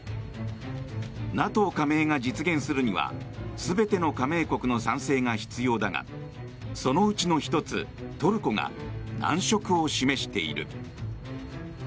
ＮＡＴＯ加盟が実現するには全ての加盟国の賛成が必要だがそのうちの１つトルコが難色を示している。